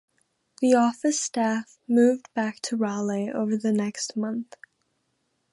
The office staff moved back to Raleigh over the next month.